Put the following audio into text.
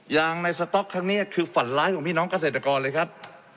ยางในสต๊อกครั้งนี้คือฝันร้ายของพี่น้องเกษตรกรเลยครับ